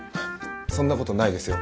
そんなことないですよ